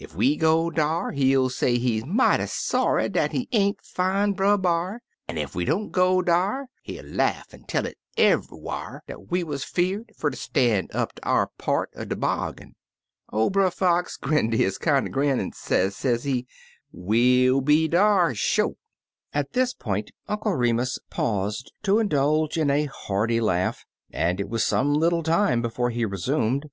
Ef we go dar, 14 Brother Rabbit's Bear Hunt he'll say he mighty sorry dat he ain't fine Brer B'ar, an' ef we don't go dar, he'll laugh an' tell it eve'ywhar dat we wuz fear'd fer tcr stan' up tcr our part cr dc bar gain/ or Brer Fox grinned his kinder grin, an' say, sezec, *We'll be dar, sho!' " At this point Uncle Remus paused to indulge hi a hearty laugh, and it was some little time before he resumed.